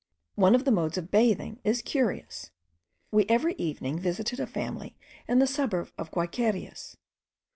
One of the modes of bathing is curious. We every evening visited a family, in the suburb of the Guayquerias.